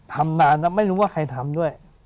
ทำนานแล้วไม่รู้ว่าใครทำด้วย